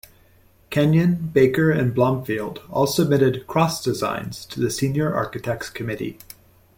Kenyon, Baker, and Blomfield all submitted cross designs to the senior architects' committee.